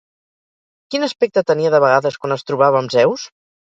Quin aspecte tenia de vegades quan es trobava amb Zeus?